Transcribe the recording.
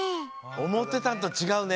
おもってたんとちがうね。